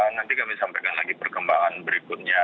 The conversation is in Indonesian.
nanti kami sampaikan lagi perkembangan berikutnya